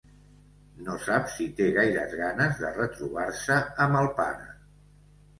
No sap si té gaires ganes de retrobar-se amb el pare.